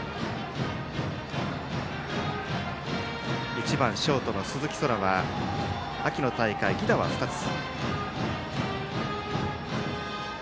１番ショートの鈴木昊は秋の大会、犠打は２つ。